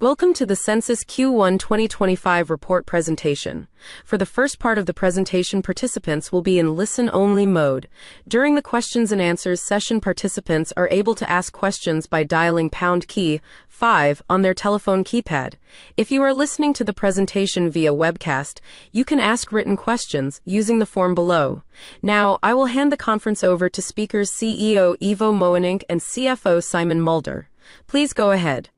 Welcome to the Sensys Q1 2025 Report Presentation. For the first part of the presentation, participants will be in listen-only mode. During the questions-and-answers session, participants are able to ask questions by dialing #5 on their telephone keypad. If you are listening to the presentation via webcast, you can ask written questions using the form below. Now, I will hand the conference over to CEO, Ivo Mönnink and CFO, Simon Mulder. Please go ahead.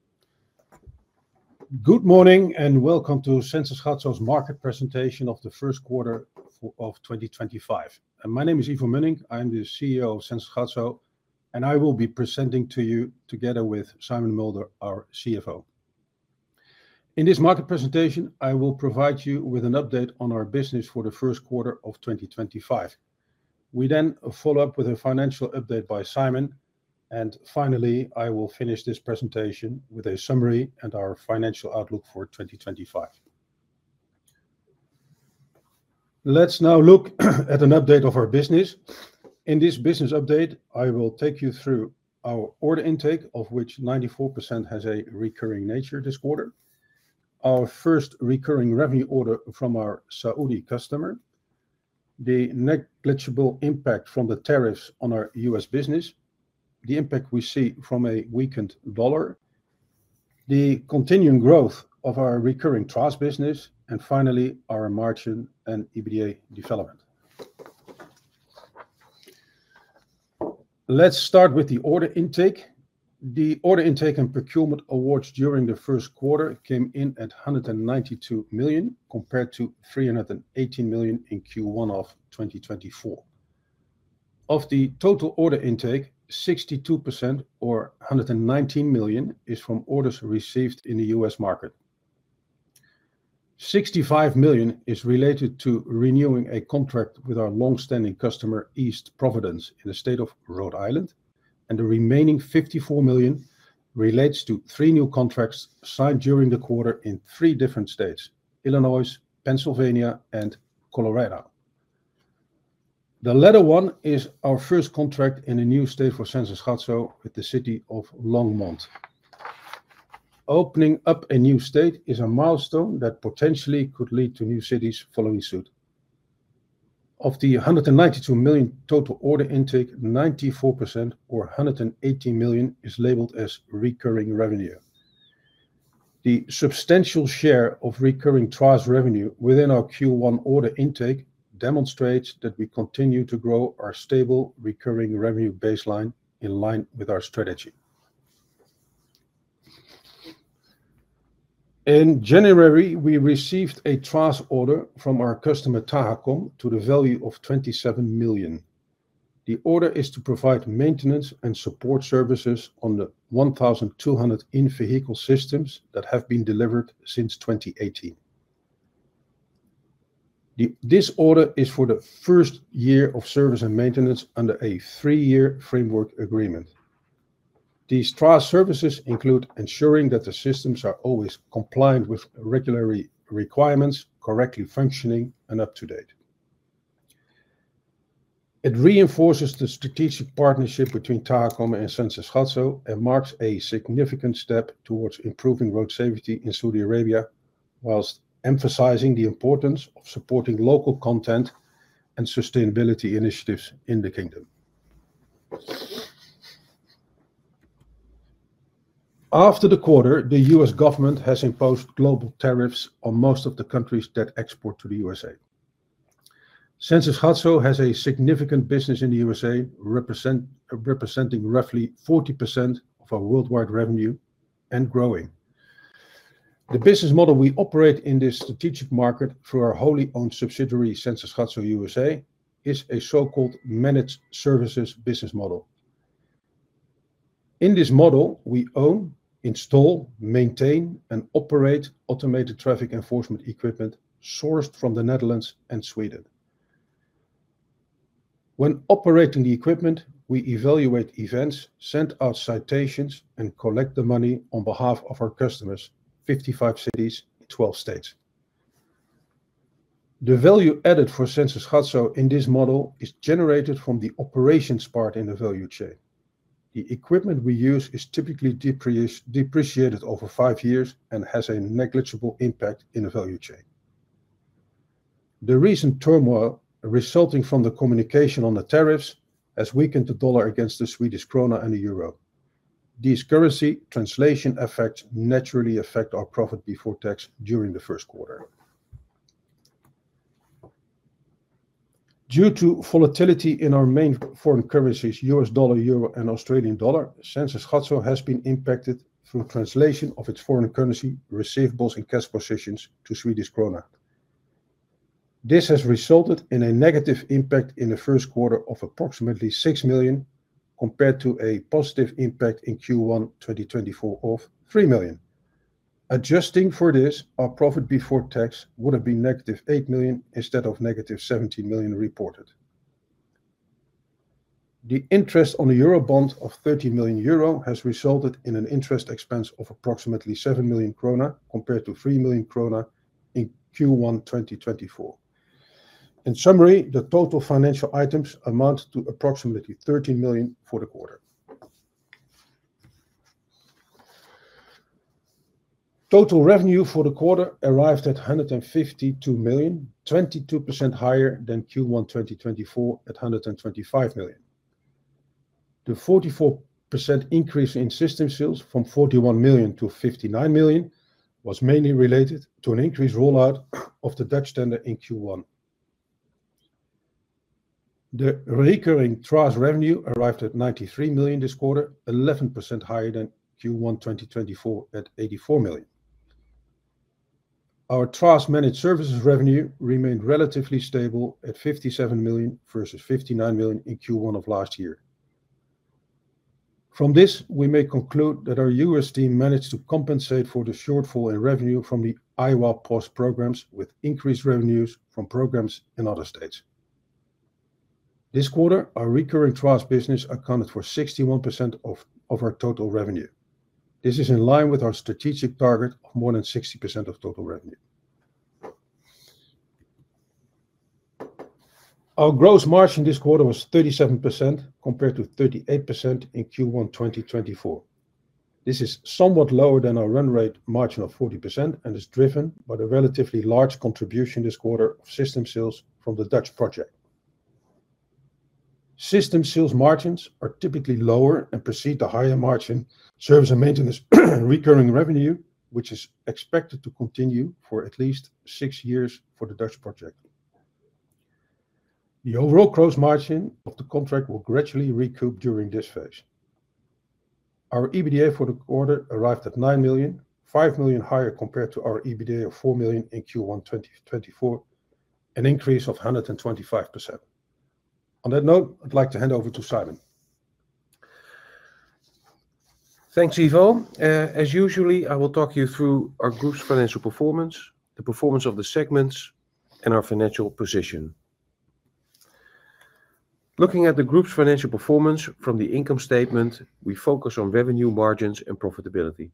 Good morning and welcome to Sensys Gatso's Market Presentation of the First Quarter of 2025. My name is Ivo Mönnink, I am the CEO of Sensys Gatso, and I will be presenting to you together with Simon Mulder, our CFO. In this market presentation, I will provide you with an update on our business for the first quarter of 2025. We then follow up with a financial update by Simon, and finally, I will finish this presentation with a summary and our financial outlook for 2025. Let's now look at an update of our business. In this business update, I will take you through our order intake, of which 94% has a recurring nature this quarter, our first recurring revenue order from our Saudi customer, the negligible impact from the tariffs on our U.S. Business. The impact we see from a weakened dollar, the continuing growth of our recurring trust business, and finally, our margin and EBITDA development. Let's start with the order intake. The order intake and procurement awards during the first quarter came in at 192 million compared to 318 million in Q1 of 2024. Of the total order intake, 62% or 119 million is from orders received in the U.S. market. 65 million is related to renewing a contract with our longstanding customer, East Providence, in the state of Rhode Island, and the remaining 54 million relates to three new contracts signed during the quarter in three different states: Illinois, Pennsylvania, and Colorado. The latter one is our first contract in a new state for Sensys Gatso, with the city of Longmont. Opening up a new state is a milestone that potentially could lead to new cities following suit. Of the 192 million total order intake, 94% or 118 million is labeled as recurring revenue. The substantial share of recurring TRaaS revenue within our Q1 order intake demonstrates that we continue to grow our stable recurring revenue baseline in line with our strategy. In January, we received a TRaaS order from our customer Tahakom to the value of 27 million. The order is to provide maintenance and support services on the 1,200 in-vehicle systems that have been delivered since 2018. This order is for the first year of service and maintenance under a three-year framework agreement. These trust services include ensuring that the systems are always compliant with regulatory requirements, correctly functioning, and up to date. It reinforces the strategic partnership between Tahakom and Sensys Gatso and marks a significant step towards improving road safety in Saudi Arabia, whilst emphasizing the importance of supporting local content and sustainability initiatives in the Kingdom. After the quarter, the U.S. government has imposed global tariffs on most of the countries that export to the U.SA. Sensys Gatso has a significant business in the U.S.A., representing roughly 40% of our worldwide revenue and growing. The business model we operate in this strategic market through our wholly owned subsidiary, Sensys Gatso USA, is a so-called Managed Services Business model. In this model, we own, install, maintain, and operate automated traffic enforcement equipment sourced from the Netherlands and Sweden. When operating the equipment, we evaluate events, send out citations, and collect the money on behalf of our customers: 55 cities, 12 states. The value added for Sensys Gatso in this model is generated from the operations part in the value chain. The equipment we use is typically depreciated over five years and has a negligible impact in the value chain. The recent turmoil resulting from the communication on the tariffs has weakened the dollar against the Swedish Krona and the Euro. These currency translation effects naturally affect our profit before tax during the first quarter. Due to volatility in our main foreign currencies, U.S. Dollar, Euro, and Australian Dollar, Sensys Gatso has been impacted through translation of its foreign currency receivables and cash positions to Swedish Krona. This has resulted in a negative impact in the first quarter of approximately 6 million, compared to a positive impact in Q1 2024 of 3 million. Adjusting for this, our profit before tax would have been negative 8 million instead of negative 17 million reported. The interest on the Euro bond of 30 million euro has resulted in an interest expense of approximately 7 million krona compared to 3 million krona in Q1 2024. In summary, the total financial items amount to approximately 13 million for the quarter. Total revenue for the quarter arrived at 152 million, 22% higher than Q1 2024 at 125 million. The 44% increase in system sales from 41 million to 59 million was mainly related to an increased rollout of the Dutch tender in Q1. The recurring trust revenue arrived at 93 million this quarter, 11% higher than Q1 2024 at 84 million. Our trust managed services revenue remained relatively stable at 57 million versus 59 million in Q1 of last year. From this, we may conclude that our U.S. team managed to compensate for the shortfall in revenue from the Iowa programs with increased revenues from programs in other states. This quarter, our recurring trust business accounted for 61% of our total revenue. This is in line with our strategic target of more than 60% of total revenue. Our gross margin this quarter was 37% compared to 38% in Q1 2024. This is somewhat lower than our run rate margin of 40% and is driven by the relatively large contribution this quarter of system sales from the Dutch project. System sales margins are typically lower and precede the higher margin. Service and maintenance recurring revenue, which is expected to continue for at least six years for the Dutch project. The overall gross margin of the contract will gradually recoup during this phase. Our EBITDA for the quarter arrived at 9 million, 5 million higher compared to our EBITDA of 4 million in Q1 2024, an increase of 125%. On that note, I'd like to hand over to Simon. Thanks, Ivo. As usual, I will talk you through our group's financial performance, the performance of the segments, and our financial position. Looking at the group's financial performance from the income statement, we focus on revenue margins and profitability.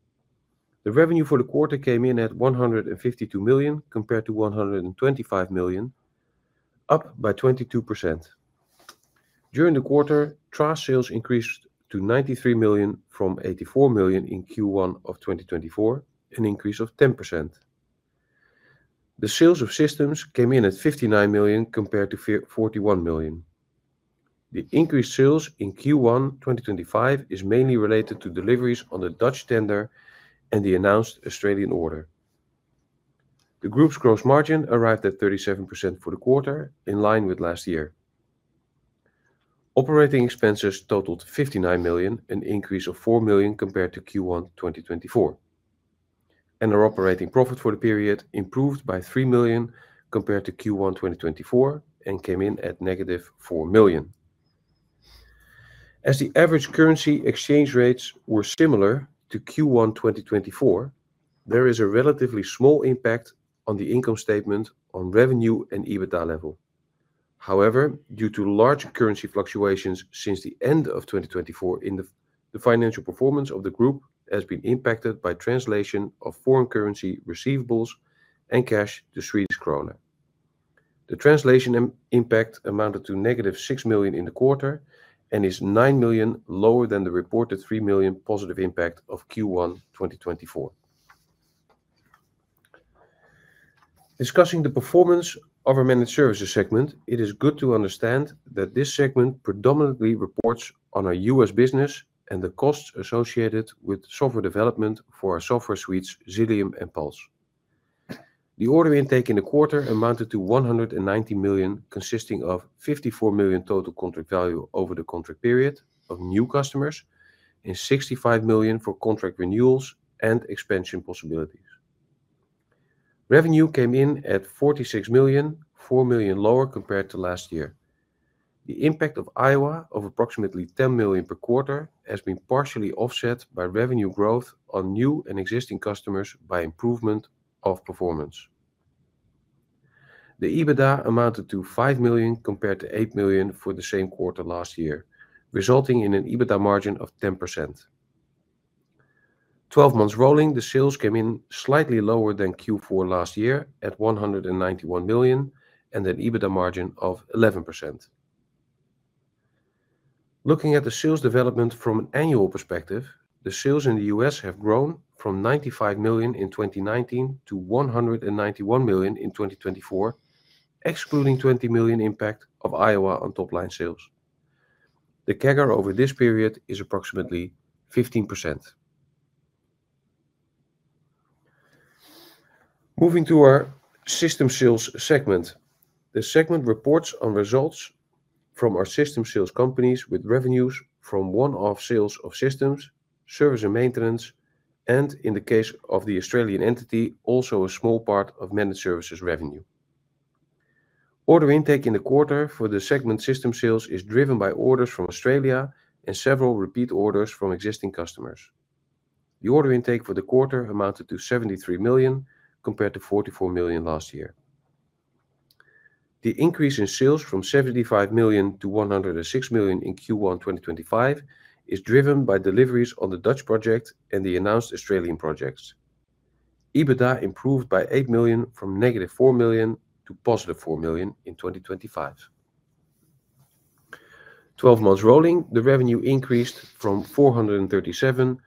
The revenue for the quarter came in at 152 million compared to 125 million, up by 22%. During the quarter, trust sales increased to 93 million from 84 million in Q1 of 2024, an increase of 10%. The sales of systems came in at 59 million compared to 41 million. The increased sales in Q1 2025 is mainly related to deliveries on the Dutch tender and the announced Australian order. The group's gross margin arrived at 37% for the quarter, in line with last year. Operating expenses totaled 59 million, an increase of 4 million compared to Q1 2024. Our operating profit for the period improved by 3 million compared to Q1 2024 and came in at negative 4 million. As the average currency exchange rates were similar to Q1 2024, there is a relatively small impact on the income statement on revenue and EBITDA level. However, due to large currency fluctuations since the end of 2024, the financial performance of the group has been impacted by translation of foreign currency receivables and cash to Swedish Krona. The translation impact amounted to negative 6 million in the quarter and is 9 million lower than the reported 3 million positive impact of Q1 2024. Discussing the performance of our managed services segment, it is good to understand that this segment predominantly reports on our U.S. business and the costs associated with software development for our software suites, Zillium and Pulse. The order intake in the quarter amounted to 190 million, consisting of 54 million total contract value over the contract period of new customers and 65 million for contract renewals and expansion possibilities. Revenue came in at 46 million, 4 million lower compared to last year. The impact of Iowa of approximately 10 million per quarter has been partially offset by revenue growth on new and existing customers by improvement of performance. The EBITDA amounted to 5 million compared to 8 million for the same quarter last year, resulting in an EBITDA margin of 10%. 12 months rolling, the sales came in slightly lower than Q4 last year at 191 million and an EBITDA margin of 11%. Looking at the sales development from an annual perspective, the sales in the U.S. have grown from 95 million in 2019 to 191 million in 2024, excluding 20 million impact of Iowa on top-line sales. The CAGR over this period is approximately 15%. Moving to our system sales segment, the segment reports on results from our system sales companies with revenues from one-off sales of systems, service and maintenance, and in the case of the Australian entity, also a small part of managed services revenue. Order intake in the quarter for the segment system sales is driven by orders from Australia and several repeat orders from existing customers. The order intake for the quarter amounted to 73 million compared to 44 million last year. The increase in sales from 75 million to 106 million in Q1 2025 is driven by deliveries on the Dutch project and the announced Australian projects. EBITDA improved by 8 million from negative 4 million to positive 4 million in 2025. 12 months rolling, the revenue increased from 437 million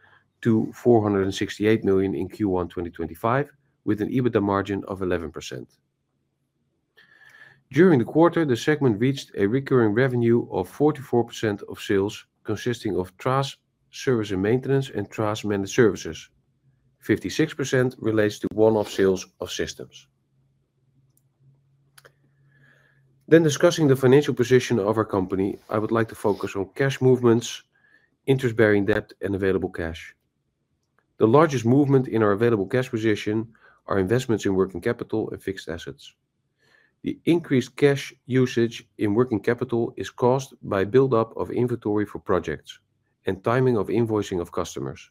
to 468 million in Q1 2025, with an EBITDA margin of 11%. During the quarter, the segment reached a recurring revenue of 44% of sales, consisting of trust, service and maintenance, and trust managed services. 56% relates to one-off sales of systems. Discussing the financial position of our company, I would like to focus on cash movements, interest-bearing debt, and available cash. The largest movement in our available cash position are investments in working capital and fixed assets. The increased cash usage in working capital is caused by build-up of inventory for projects and timing of invoicing of customers.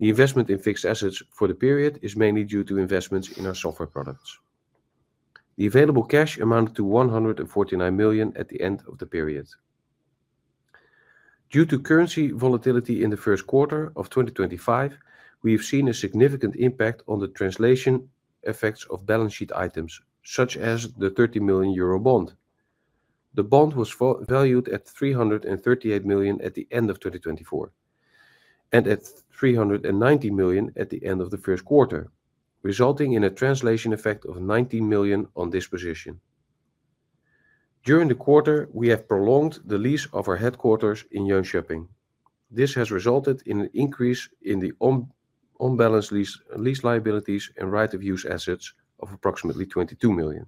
The investment in fixed assets for the period is mainly due to investments in our software products. The available cash amounted to 149 million at the end of the period. Due to currency volatility in the first quarter of 2025, we have seen a significant impact on the translation effects of balance sheet items, such as the 30 million euro bond. The bond was valued at 338 million at the end of 2024 and at 319 million at the end of the first quarter, resulting in a translation effect of 19 million on this position. During the quarter, we have prolonged the lease of our headquarters in Jönköping. This has resulted in an increase in the unbalanced lease liabilities and right-of-use assets of approximately 22 million.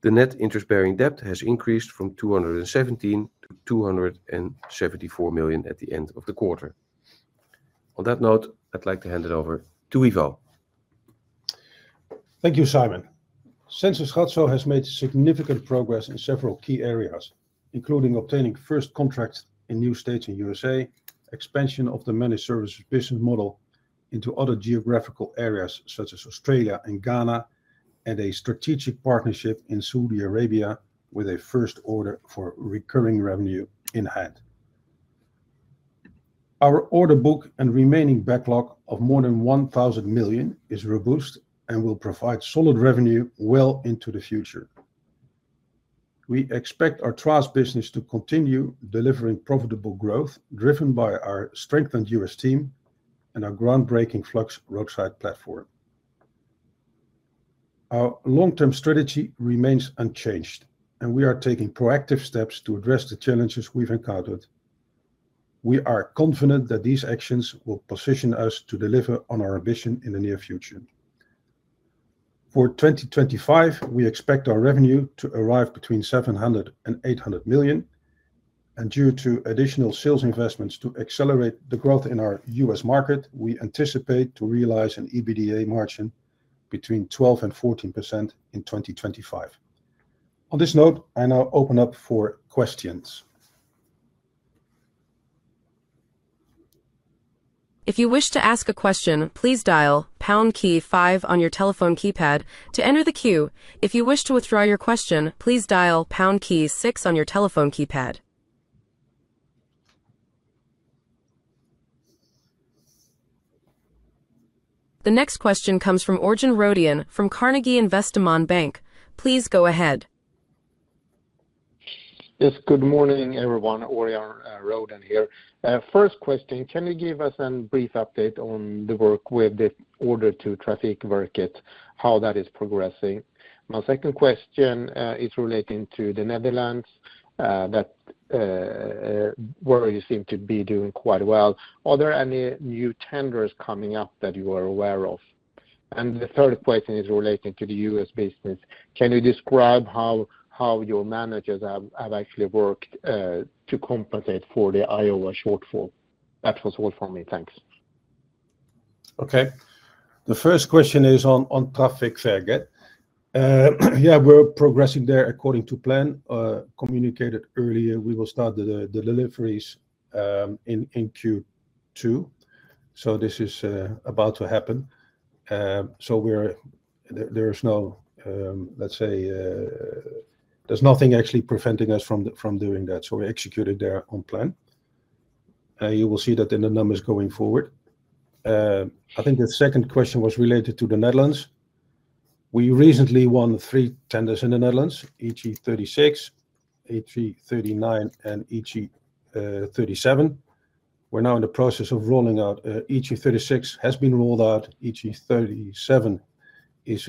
The net interest-bearing debt has increased from 217 million to 274 million at the end of the quarter. On that note, I'd like to hand it over to Ivo. Thank you, Simon. Sensys Gatso has made significant progress in several key areas, including obtaining first contracts in new states in the U.S.A., expansion of the managed services business model into other geographical areas such as Australia and Ghana, and a strategic partnership in Saudi Arabia with a first order for recurring revenue in hand. Our order book and remaining backlog of more than 1 billion is robust and will provide solid revenue well into the future. We expect our trust business to continue delivering profitable growth driven by our strengthened U.S. team and our groundbreaking FLUX roadside platform. Our long-term strategy remains unchanged, and we are taking proactive steps to address the challenges we have encountered. We are confident that these actions will position us to deliver on our ambition in the near future. For 2025, we expect our revenue to arrive between 700 million and 800 million, and due to additional sales investments to accelerate the growth in our U.S. market, we anticipate to realize an EBITDA margin between 12% and 14% in 2025. On this note, I now open up for questions. If you wish to ask a question, please dial #5 on your telephone keypad to enter the queue. If you wish to withdraw your question, please dial #6 on your telephone keypad. The next question comes from Orjan Rodan from Carnegie Investment Bank. Please go ahead. Yes, good morning, everyone. Orjan Rodan here. First question, can you give us a brief update on the work with the order to traffic work it, how that is progressing? My second question is relating to the Netherlands where you seem to be doing quite well. Are there any new tenders coming up that you are aware of? The third question is relating to the U.S. business. Can you describe how your managers have actually worked to compensate for the Iowa shortfall? That was all from me. Thanks. Okay. The first question is on traffic. Yeah, we're progressing there according to plan. Communicated earlier, we will start the deliveries in Q2. This is about to happen. There is nothing actually preventing us from doing that. We executed there on plan. You will see that in the numbers going forward. I think the second question was related to the Netherlands. We recently won three tenders in the Netherlands, EG 36, EG 39, and EG 37. We're now in the process of rolling out. EG 36 has been rolled out. EG 37 is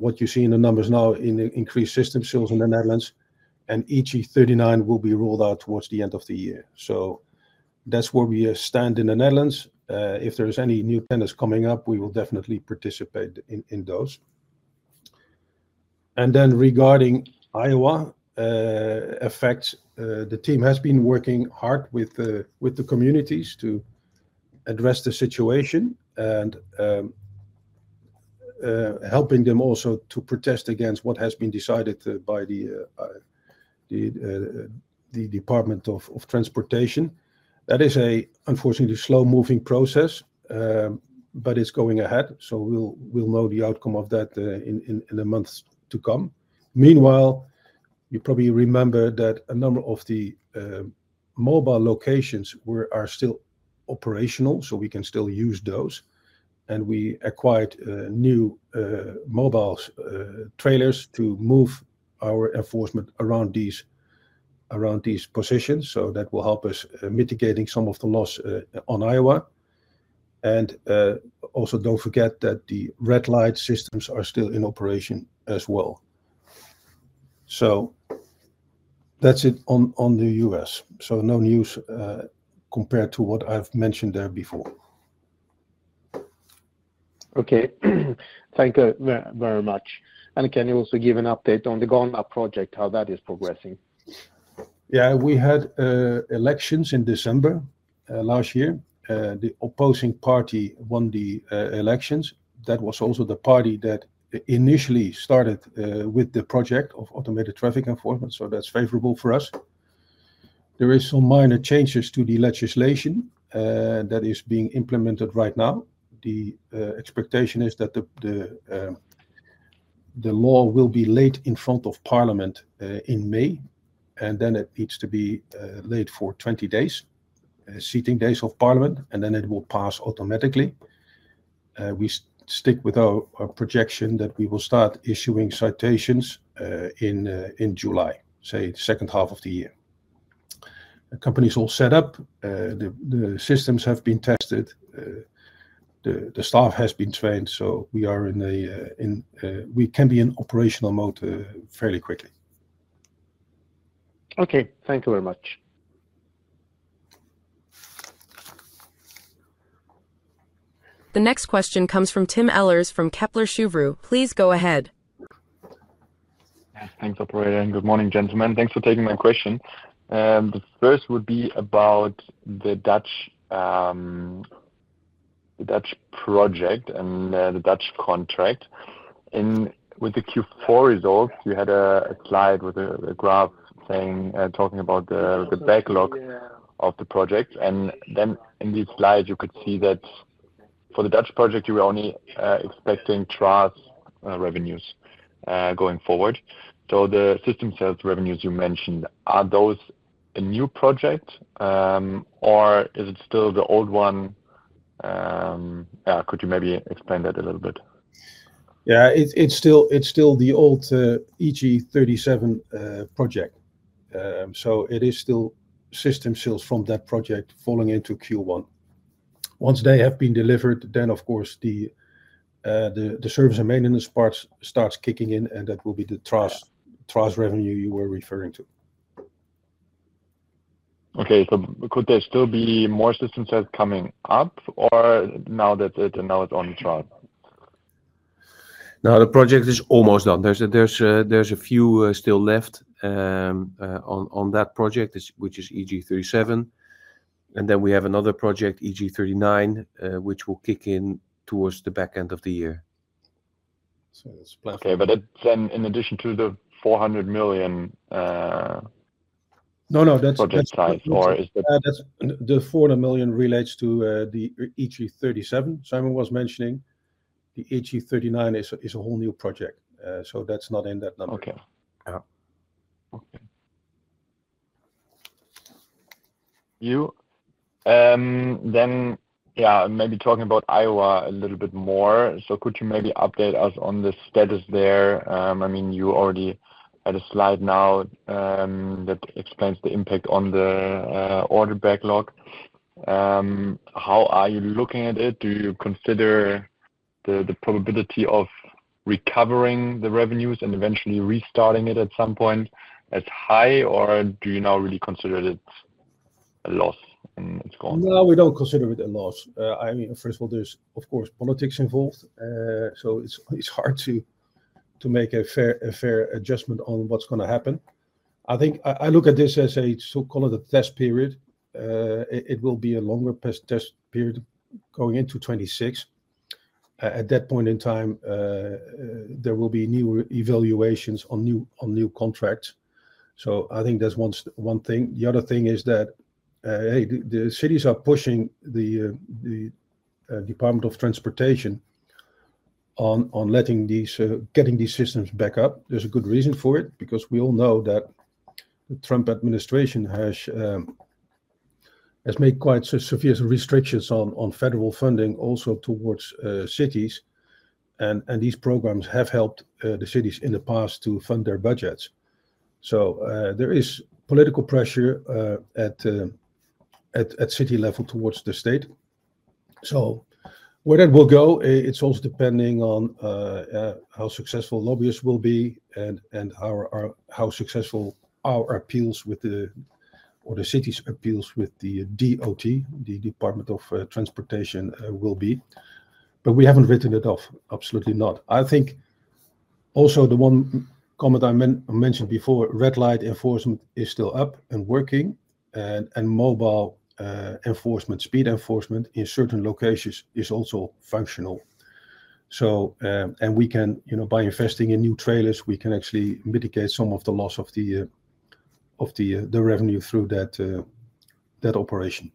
what you see in the numbers now in the increased system sales in the Netherlands, and EG 39 will be rolled out towards the end of the year. That is where we stand in the Netherlands. If there are any new tenders coming up, we will definitely participate in those. Regarding Iowa effects, the team has been working hard with the communities to address the situation and helping them also to protest against what has been decided by the Department of Transportation. That is an unfortunately slow-moving process, but it's going ahead. We will know the outcome of that in the months to come. Meanwhile, you probably remember that a number of the mobile locations are still operational, so we can still use those. We acquired new mobile trailers to move our enforcement around these positions, so that will help us mitigate some of the loss on Iowa. Also, don't forget that the red-light systems are still in operation as well. That's it on the U.S. No news compared to what I've mentioned there before. Okay. Thank you very much. Can you also give an update on the Ghana project, how that is progressing? Yeah, we had elections in December last year. The opposing party won the elections. That was also the party that initially started with the project of automated traffic enforcement, so that's favorable for us. There are some minor changes to the legislation that is being implemented right now. The expectation is that the law will be laid in front of Parliament in May, and then it needs to be laid for 20 days, seating days of Parliament, and then it will pass automatically. We stick with our projection that we will start issuing citations in July, say, the second half of the year. The company is all set up. The systems have been tested. The staff has been trained, so we are in a, we can be in operational mode fairly quickly. Okay. Thank you very much. The next question comes from Tim Ehlers from Kepler Cheuvreux. Please go ahead. Thanks, Operator. Good morning, gentlemen. Thanks for taking my question. The first would be about the Dutch project and the Dutch contract. With the Q4 results, we had a slide with a graph talking about the backlog of the project. In this slide, you could see that for the Dutch project, you were only expecting TRaaS revenues going forward. The system sales revenues you mentioned, are those a new project, or is it still the old one? Could you maybe explain that a little bit? Yeah, it's still the old EG 37 project. It is still system sales from that project falling into Q1. Once they have been delivered, of course, the service and maintenance part starts kicking in, and that will be the TRaaS revenue you were referring to. Okay. Could there still be more system sales coming up, or now that it's on TRaaS? No, the project is almost done. There's a few still left on that project, which is EG 37. Then we have another project, EG 39, which will kick in towards the back end of the year. Okay. In addition to the 400 million project size, or is that? The 400 million relates to the EG 37 Simon was mentioning. The EG 39 is a whole new project. That is not in that number. Okay. Okay. You then, yeah, maybe talking about Iowa a little bit more. Could you maybe update us on the status there? I mean, you already had a slide now that explains the impact on the order backlog. How are you looking at it? Do you consider the probability of recovering the revenues and eventually restarting it at some point as high, or do you now really consider it a loss and it's gone? No, we don't consider it a loss. I mean, first of all, there's, of course, politics involved, so it's hard to make a fair adjustment on what's going to happen. I think I look at this as a, so call it a test period. It will be a longer test period going into 2026. At that point in time, there will be new evaluations on new contracts. I think that's one thing. The other thing is that the cities are pushing the Department of Transportation on getting these systems back up. There's a good reason for it because we all know that the Trump administration has made quite severe restrictions on federal funding also towards cities. These programs have helped the cities in the past to fund their budgets. There is political pressure at city level towards the state. Where it will go is also depending on how successful lobbyists will be and how successful our appeals with the, or the city's appeals with the DOT, the Department of Transportation, will be. We have not written it off. Absolutely not. I think also the one comment I mentioned before, red-light enforcement is still up and working, and mobile enforcement, speed enforcement in certain locations is also functional. We can, by investing in new trailers, actually mitigate some of the loss of the revenue through that operation.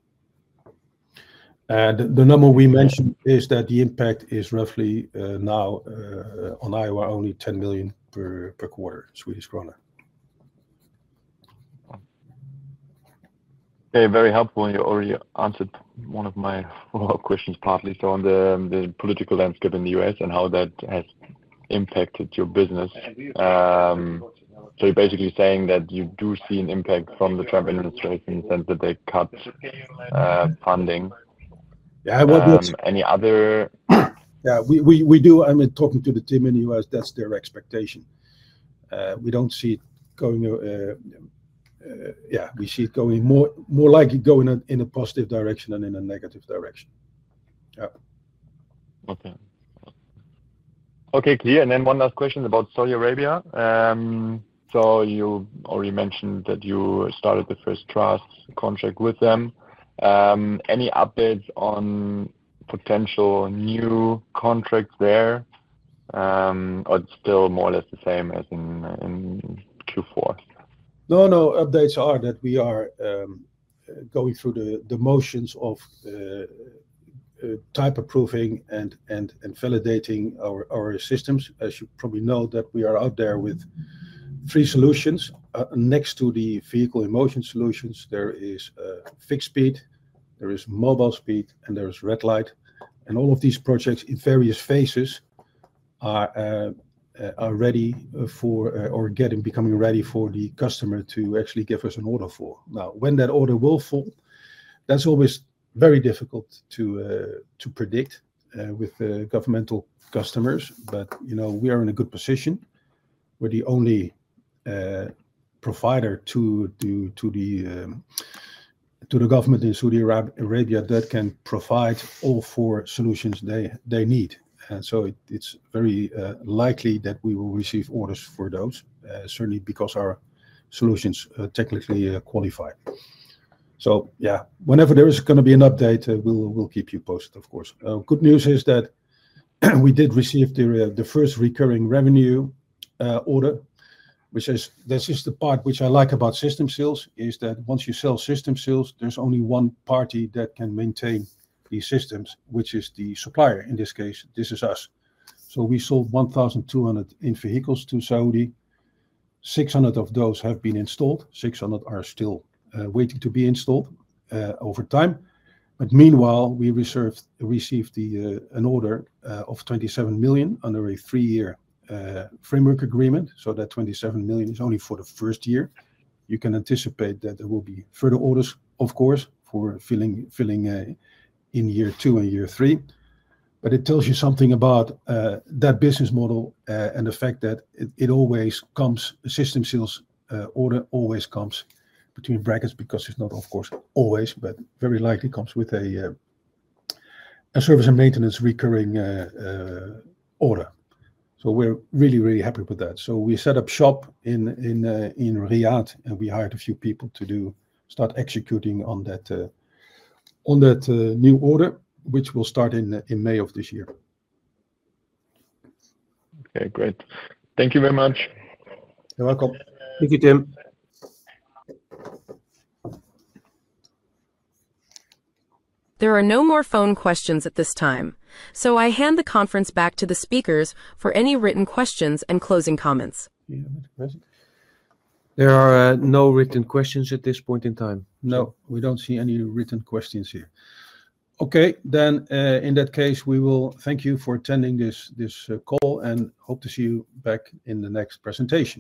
The number we mentioned is that the impact is roughly now on Iowa only 10 million per quarter. Okay. Very helpful. You already answered one of my questions partly. On the political landscape in the U.S. and how that has impacted your business, you're basically saying that you do see an impact from the Trump administration in the sense that they cut funding. Yeah. Any other? Yeah. We do. I mean, talking to the team in the U.S., that's their expectation. We don't see it going, yeah, we see it going more likely going in a positive direction than in a negative direction. Yeah. Okay. Okay. Clear. And then one last question about Saudi Arabia. You already mentioned that you started the first trust contract with them. Any updates on potential new contract there, or it's still more or less the same as in Q4? No, no. Updates are that we are going through the motions of type approving and validating our systems. As you probably know, we are out there with three solutions. Next to the vehicle in-motion solutions, there is fixed speed, there is mobile speed, and there is red light. All of these projects in various phases are ready for, or getting becoming ready for the customer to actually give us an order for. Now, when that order will fall, that's always very difficult to predict with governmental customers. We are in a good position. We're the only provider to the government in Saudi Arabia that can provide all four solutions they need. It is very likely that we will receive orders for those, certainly because our solutions technically qualify. Yeah, whenever there is going to be an update, we'll keep you posted, of course. Good news is that we did receive the first recurring revenue order, which is, this is the part which I like about system sales, is that once you sell system sales, there's only one party that can maintain these systems, which is the supplier. In this case, this is us. We sold 1,200 in vehicles to Saudi. 600 of those have been installed. 600 are still waiting to be installed over time. Meanwhile, we received an order of 27 million under a three-year framework agreement. That 27 million is only for the first year. You can anticipate that there will be further orders, of course, for filling in year two and year three. It tells you something about that business model and the fact that it always comes, system sales order always comes between brackets because it's not, of course, always, but very likely comes with a service and maintenance recurring order. We are really, really happy with that. We set up shop in Riyadh, and we hired a few people to start executing on that new order, which will start in May of this year. Okay. Great. Thank you very much. You're welcome. Thank you, Tim. There are no more phone questions at this time. I hand the conference back to the speakers for any written questions and closing comments. There are no written questions at this point in time. No. We do not see any written questions here. Okay. In that case, we will thank you for attending this call and hope to see you back in the next presentation.